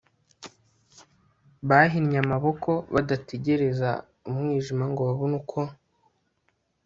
bahinnye amaboko, badategereza umwijima ngo babone uko